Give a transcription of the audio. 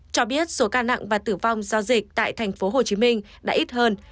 cho biết số ca nặng và tử vong do dịch tại thành phố hồ chí minh đã ít hơn